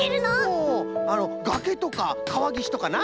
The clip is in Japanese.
おおがけとかかわぎしとかな。